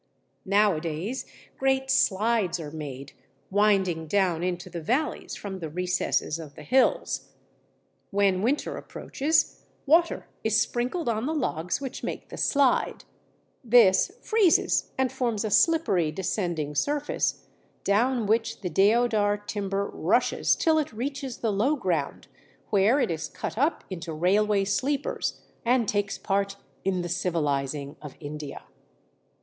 Nowadays great "slides" are made, winding down into the valleys from the recesses of the hills. When winter approaches, water is sprinkled on the logs which make the slide; this freezes and forms a slippery descending surface, down which the deodar timber rushes till it reaches the low ground, where it is cut up into railway sleepers and takes part in the civilizing of India.